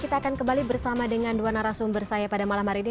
kita akan kembali bersama dengan dua narasumber saya pada malam hari ini